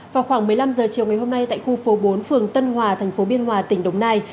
vào khoảng một mươi năm h chiều ngày hôm nay tại khu phố bốn phường tân hòa thành phố biên hòa tỉnh đồng nai